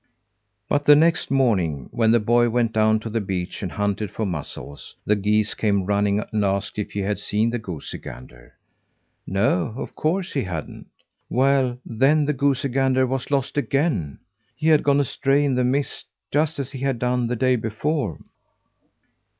But the next morning, when the boy went down to the beach and hunted for mussels, the geese came running and asked if he had seen the goosey gander. No, of course he hadn't. "Well, then the goosey gander was lost again. He had gone astray in the mist, just as he had done the day before."